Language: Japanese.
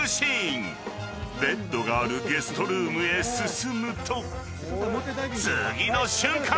［ベッドがあるゲストルームへ進むと次の瞬間！］